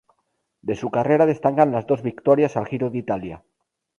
De su carrera destacan las dos victorias al Giro de Italia.